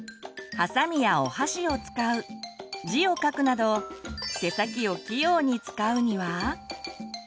はさみやお箸を使う字を書くなど手先を器用に使うには？